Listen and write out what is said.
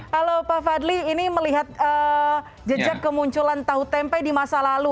halo pak fadli ini melihat jejak kemunculan tahu tempe di masa lalu